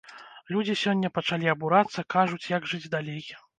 Людзі сёння пачалі абурацца, кажуць, як жыць далей?